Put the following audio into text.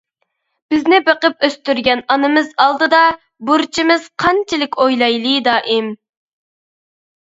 بىزنى بېقىپ ئۆستۈرگەن ئانىمىز ئالدىدا بۇرچىمىز قانچىلىك ئويلايلى دائىم.